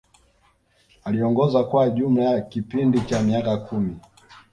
Aliongoza kwa jumla ya kipindi cha miaka kumi